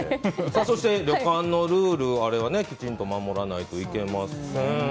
そして、旅館のルールはきちんと守らなくてはいけません。